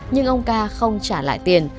nhưng ông ca không trả lại tiền